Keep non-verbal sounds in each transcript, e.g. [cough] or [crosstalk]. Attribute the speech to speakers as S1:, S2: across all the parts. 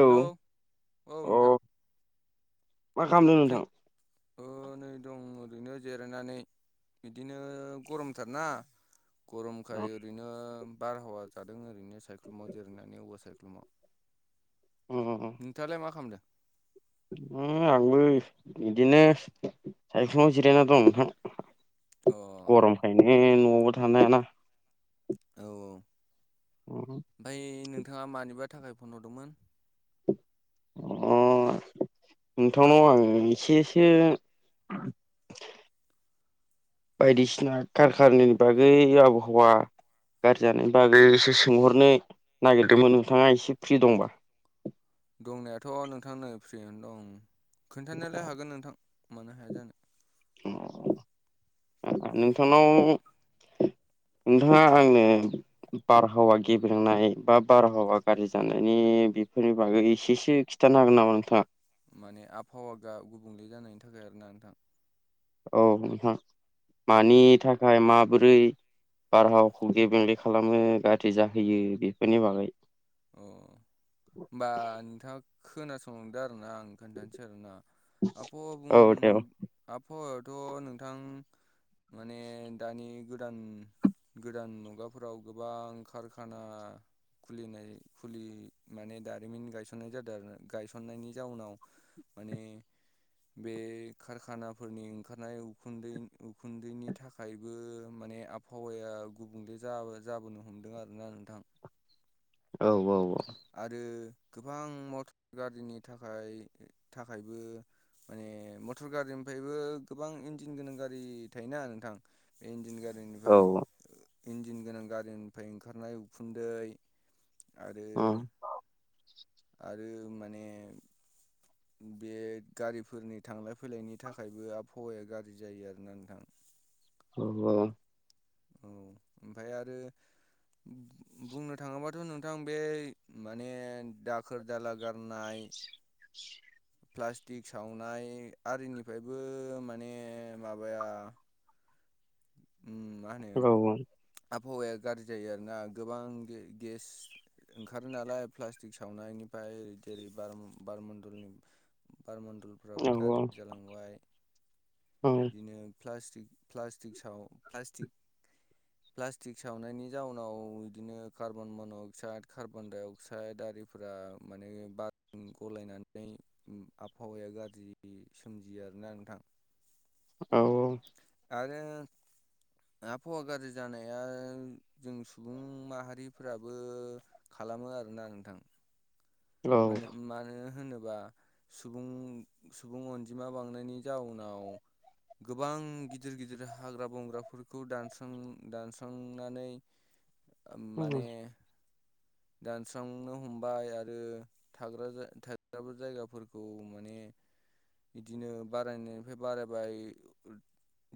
S1: Hello औ नोंथां
S2: अ मा खालामदों
S1: खोन
S2: नोंथां?
S1: नै दं ओरैनो जिरायनानै बिदिनो गरमथारना।
S2: अ
S1: गरमखाय ओरैनो। बारहावा जादों ओरैनो सायख्लुमाव जिरैनानैवा सायख्लुमाव। नोंथाङालाय मा खालामदों?
S2: ओ आंबो बिदिनो साइखुमाव जिरायना दं नोंथां।
S1: अ औ
S2: गरमखायनो न'आवबो थानो हायाना।
S1: औ- औ,
S2: अ
S1: ओमफ्राय नोंथाङा मानिबा थाखाय फन हरदोंमोन?
S2: अ नोंथांनाव आं एसेसो बायदिसिना कारखारनि बागै आबहावा गाज्रि जानाय बागैसो सोंहरनो नागिरदोंमोन नोंथाङा एसे फ्रि दंबा।
S1: दंनायाथ' नोंथांनो फ्रिआनो दं खोन्थानायालाय हागोन नोंथां। मानो हाया जानो।
S2: नोंथांनाव नोंथाङा आंनो बारहावा गेब्रेंनाय बा बारहावा गाज्रि जानायनि बेफोरनि बागै एसेसो खिन्थानो हागोन नामा नोंथाङा?
S1: माने आबहावा गा- गुबुंले जानायनि थाखाय आरोना नोंथां।
S2: औ, नोंथां मानि थाखाय मा बोलैं बारहावाखौ [unintelligible] खालामो गाज्रि जाहोयो बेफोरनि बागै
S1: अ होमबा नोंथाङा खोनासंलांदो। आं खोनथानोसै आरोना। आबहावा
S2: औ दे औ
S1: बुं- आ आबहावा थ' नोंथां माने दानि गोदान गोदान मुगाफोराव गोबां कारखाना खुलिनाय [unintelligible] माने दारिमिन गायसननाय जादों आरो गायसननायनि जाउनाव माने बे कारखानाफोरनि ओंखारनाय उखुन्दै -उखुन्दैनि थाखायबो [unintelligible] माने आबहावाया गुबुंले जा-जाबोनो हमदों आरोना नोंथां।
S2: औ, औ, औ।
S1: आरो गोबां मटर गारिनि थाखाय- थाखायबो माने मटर- गारिनिफ्रायबो गोबां इन्जिन गोनां गारि थायोना नोंथां। बे इन्जिन गारि
S2: औ।
S1: इन्जिन गोनां गारिनिफ्राय ओंखारनाय उखुन्दै आरो
S2: औ
S1: आरो माने बे गारिफोरनि थांलाय- फैलायनि थाखायबो आबहावाया गाज्रि जायो आरोना नोंथां?
S2: औ।
S1: औ, ओमफ्राय आरो बुंनो थाङोबाथ' नोंथां, बे माने दाखोर -दाला [unintelligible] [unintelligible] प्लास्टिक सावनाय आरिनिफ्रायबो माने माबाया उम मा होनो
S2: औ।
S1: आबहावाया गाज्रि जायो आरोना गोबां गेस ओंखारो नालाय प्लास्टिक सावनायनिफ्राय, जेरै बार बारमडलनि बारमण्डलफ्राबो गाज्रि जालांबाय।
S2: औ
S1: बिदिनो प्लास्टिक-प्लास प्लास्टिक साव प्लास्टिक प्लास्टिक सावनायनि जाउनाव बिदिनो carbon - monoxide, carbon- -dioxide आरो [unintelligible] माने बारदो गलायनानै आबहावाया गाज्रि सोमजियो। [unintelligible] आरोना नोंथां।
S2: औ।
S1: आरो आबहावा गाज्रि जानाया, जों सुबुं माहारिफोराबो खालामो आरोना आं नोंथां। मानो- मानो होनोब्ला बा सुबुं - सुबुं अनजिमा बांनायनि जाउनाव गोबां गिदिर - गिदिर हाग्रा - बंग्राफोरखौ दानस्रां- दानस्रांनानै माने दानस्रांनो हमबाय आरो थाग्रा थाग्राबो जायगाफोरखौ माने बिदिनो बारायनायनिफ्राय बारायबाय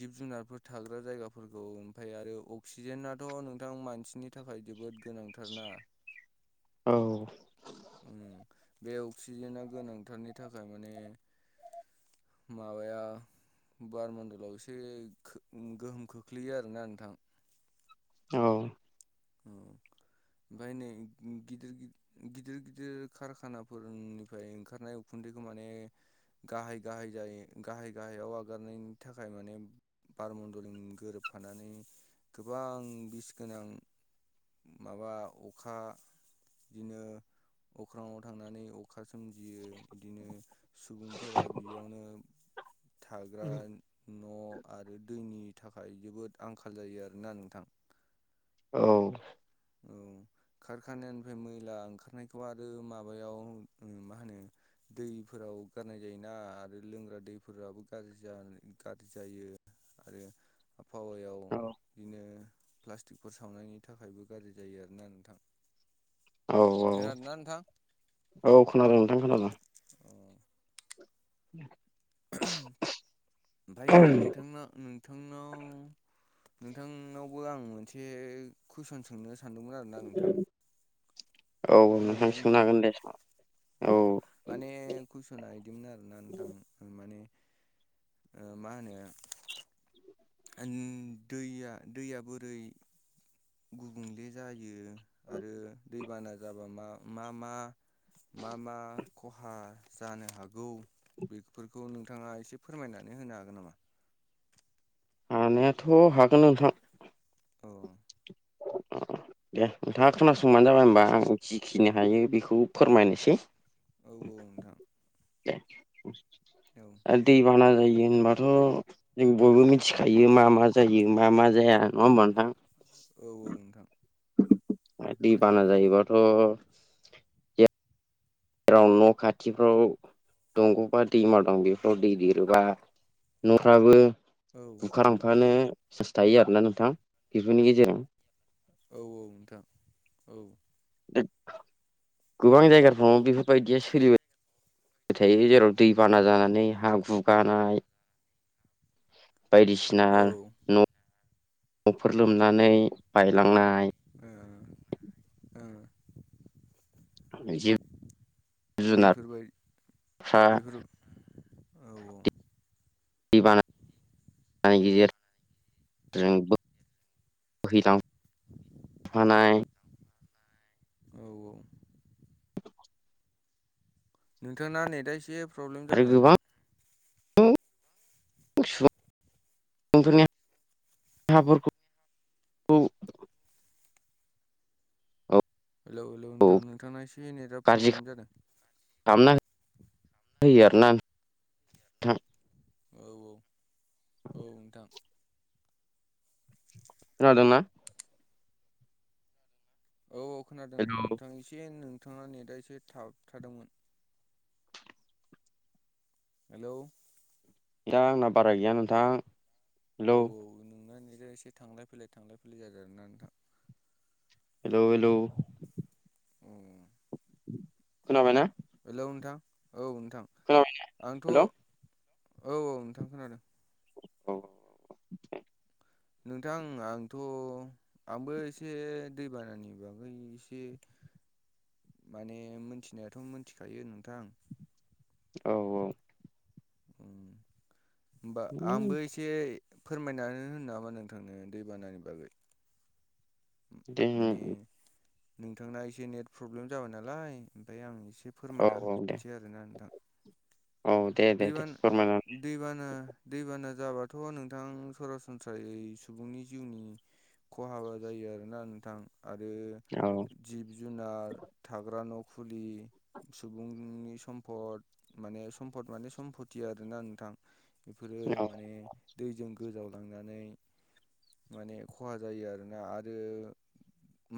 S1: जिब जुनारफोर थाग्रा जायगाफोरखौ ओमफ्राय आरो अक्सिजेनाथ' नोंथां मानसिनि थाखाय जोबोद गोनांथारना उम बे अक्सिजेना गोनांथारनि थाखाय माने माबाया बारमण्डलाव एसे गोहोम खोख्लैयो आरोना नोंथां
S2: औ
S1: ओमफ्राय नै गिदिर गिदिर गिदिर कारखानाफोरनिफ्राय ओंखारनाय उखुन्दैखौ माने गाहाय गाहाय जायो गाहाय गाहायाव आगारनायनि थाखाय माने बारमण्डलजों गोरोबफानानै गोबां बिस गोनां माबा अखा बिदिनो अख्राङाव थांनानै अखा सोमजियो बिदिनो सुबुंफोरा बिदियावनो थाग्रा न'आरो दैनि थाखाय जोबोद आंखाल जायो आरोना नोंथां
S2: औ।
S1: खारखानानिफ्राय मैला ओंखारनायखौ आरो माबायाव मा होनो दैफोराव गारनाय जायोना आरो लोंग्रा दैफोराबो गाज्रि गाज्रि जायो। आरो आबहावायाव बिदिनो प्लास्टिकफोर सावनायनि थाखायबो गाज्रि जायो आरोना नोंथां।
S2: औ
S1: खोनादोंना नोंथां
S2: औ औ खोनादों नोंथां खोनादों
S1: अ ओमफाय नोंथांना नोंथांनावबो आं मोनसे कुइसन सोंनो सानदोंमोन आरोना नोंथां
S2: औ औ नोंथां सोंनो हागोन दे।
S1: औ माने कुइसना बिदिमोन आरोना नोंथां माने ओ मा होनो दैया दैया बोरै गुबुंले जायो आरो दैबाना जाबा मा मा मा? मा मा खहा जानो हागौ बेफोरखौ नोंथाङा एसे फोरमायनानै होनो हागोन नामा?
S2: हानायाथ' हागोन नोंथां
S1: औ
S2: अ दे नोंथाङा खोनासंबानो जाबाय होनबा आं जिखिनि हायो बेखौ फोरमायनोसै
S1: औ औ नोंथां।
S2: दे
S1: औ
S2: आरो दै बाना जायो होनबाथ' जों बयबो मिथिखायो मा मा जायो मा मा जाया नङा होमबा नोंथां।
S1: औ औ नोंथां
S2: दैबाना जायोबाथ' जेराव न' खाथिफ्राव दंग'बा दैमा दं बेफोराव दै देरोबा न'फ्राबो
S1: औ
S2: बुखार लांफानो चान्स थायो आरोना नोंथां बेफोरनि गेजेराव
S1: औ औ नोंथां औ
S2: गोबां जायगाफ्राव बेफोरबायदिया सोलिबाय थायो जेराव दैबाना जानानै हा गुगानाय बायदिसिना
S1: ओ
S2: न'फोर लोमनानै बायलांनाय
S1: ओं ओ।
S2: [unintelligible]
S1: बेफोरबाय
S2: जुनारफ्रा
S1: बेफोर औ
S2: दैबाना गेजेर जोंबो बोहैलां फानाय
S1: औ औ। नोंथांना नेटआ एसे प्रब्लेम
S2: आरो
S1: जादों
S2: गोबां
S1: नोंथां।
S2: [unintelligible] [unintelligible]
S1: हेलौ हेलौ नोंथां
S2: औ
S1: नोंथांना एसे नेटआ
S2: गाज्रि
S1: प्रब्लेम जादों।
S2: खालामना होयो आरोना नोंथां।
S1: औ औ औ नोंथां।
S2: खोनादोंना?
S1: औ औ खोनादों
S2: हेल'
S1: नोंथां एसे नोंथाङा नेटआ एसे थाब थादोंमोन। हेलौ।
S2: दा आंना बारा गैया नोंथां
S1: औ
S2: हेलौ।
S1: नोंना नेटआ एसे थांलाय फैलाय थांलाय फैलाय जादों नोंना नोंथां।
S2: हेल' हेल'।
S1: ओम।
S2: खोनाबाय ना?
S1: हेलौ नोंथां औ नोंथां
S2: खोनाबाय
S1: आंथ'।
S2: हेलौ
S1: औ औ नोंथां खोनादों।
S2: औ।
S1: नोंथां आंथ' आंबो एसे दैबानानि बागै एसे
S2: [inaudible]
S1: माने मिथिनायाथ' मिथिखायो नोंथां
S2: औ औ‌।
S1: होमबा आंबो एसे फोरमायनानै होनो नामा नोंथांनो दैबानानि बागै।
S2: दे हो।
S1: माने नोंथांना एसे नेट प्रब्लेम जाबाय नालाय ओमफ्राय आं एसे एसे
S2: औ
S1: फोरमायना
S2: औ दे
S1: होफिनसै आरोना नोंथां।
S2: औ दे दे दे
S1: दैबान
S2: फोरमायनानै
S1: दैबाना दैबाना। जाबाथ' नोंथां सरासनस्रायै सुबुंनि जिउनि खहाबा जायो आरोना नोंथां आरो
S2: औ
S1: जिब जुनार थाग्रा न' खुलि सुबुंनि सम्फद माने सम फद माने सम्फथि आरोना नोंथां बेफोरो
S2: औ
S1: माने दैजों गोजावलांनानै माने खहा जायो आरोना आरो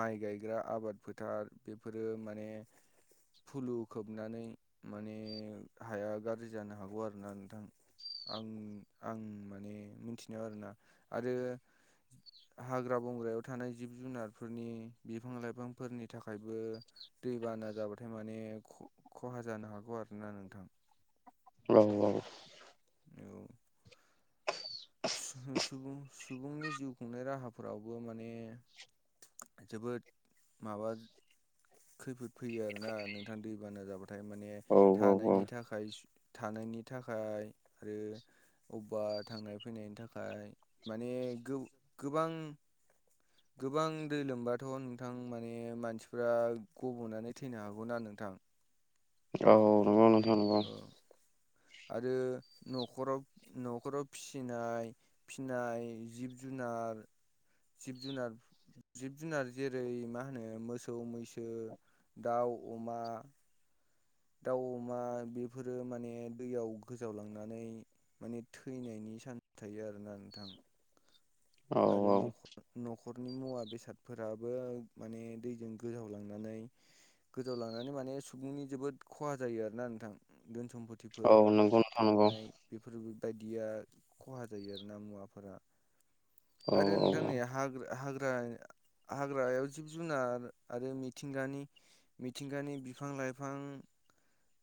S1: माइ गायग्रा आबाद फोथार बेफोरो माने फुलु खोबनानै माने हाया गाज्रि जानो हागौ आरोना नोंथां। आं आं माने मिथिनायाव आरोना आरो
S2: [inaudible]
S1: हाग्रा बंग्रायाव थानाय जिब जुनारफोरनि बिफां लाइफांफोरनि थाखायबो दैबाना जाबाथाय माने खहा जानो हागौ आरोना नोंथां।
S2: औ औ।
S1: सुह सुबुं सुबुंनि जिउ खुंनाय राहाफोरावबो माने जोबोद माबा खैफोद फैयो आरोना नोंथां दैबाना जाबा थाय माने
S2: औ औ
S1: थानायनि थाखाय सु थानायनि थाखाय आरो अबेबा थांनाय फैनायनि थाखाय माने गोब गोबां गोबां दै लोमबाथ' नोंथां। माने मानसिफ्रा गब'नानै थैनो हागौना नोंथां। [inaudible]
S2: औ नोगौ नोंथां नंगौ।
S1: औ आरो नखराव न'खराव फिसिनाय फिनाय जिब जुनार नार आरो। जिब जुनार जिब जुनार जेरै मा होनो मोसौ मैसो दाउ, अमा दाउ, अमा बेफोरो माने दैयाव गोजावलांनानै माने थैनायनि चान्स थायो आरोना नोंथां।
S2: औ
S1: आरो नख'र नख' नख'रनि मुवा बेसादफोराबो माने दैजों गोजावलांनानै। गोजाव लांनानै माने सुबुंनि जोबोद खहा जायो आरो ना नोंथां दै
S2: औ
S1: सम्फथिफोर
S2: नंगौ नोंथां नंगौ
S1: थांनाय बेफोरो बायदिया खहा जायो आरो ना मुवाफोरा
S2: औ
S1: आरो नोंथां
S2: औ
S1: नै हाग्र हाग्र [unintelligible] हाग्रायाव जिब जुनार आरो मिथिंगानि मिथिंगानि बिफां लाइफां।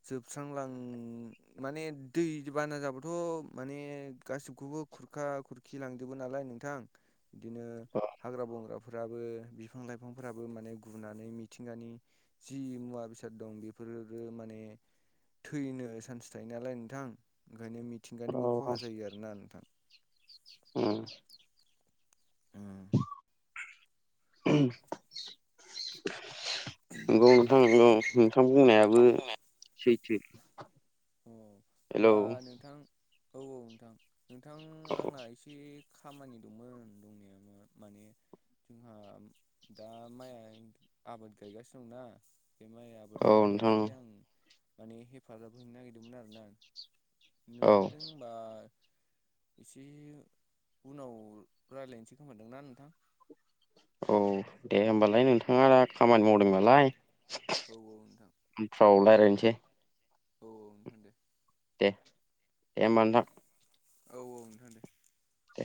S1: जोबस्रांलां माने दै बाना जाबाथ' माने गासिबखौ बो खुरखा खुरखि लांजोबो नालाय नोंथां बिदिनो हाग्रा बंग्रा फोराबो बिफां लाइफांफोराबो माने गुनानै मिथिंगानि जि मुवा बेसाद दं बेफोर रोहो माने थैनो चान्स थायो नालाय नोंथां ओंखायनो मिथिंगानिबो खहा जायो आरोना नोंथां।
S2: उम। नोंगौ नोंथां नोंगौ उम। थां बुंनायाबो सैथो।
S1: औ
S2: हेलौ
S1: होमबा
S2: औ
S1: नोंथां औ औ नोंथां नोंथां आंना एसे खामानि दंमोन दंनायाबो माने जोंहा दा माइ आबाद गायगासिनो दंना बे माइ आबाद
S2: औ
S1: गायनायाव
S2: नोंथां
S1: एसे आं माने हेफाजाब हैनो नागिरदोंमोन आरोना।
S2: औ
S1: नोंथांजों होमबा एसे उनाव रायलायनोसै खोमादोंना नोंथां?
S2: औ दे होमबालाय नोंथांङा दा खामानि मावदों नालाय
S1: औ औ नोंथां
S2: उनफ्राव लायरायनोसै।
S1: औ नोंथां दे।
S2: दे दे होमबा नोंथां।
S1: औ औ नोंथां दे
S2: दे।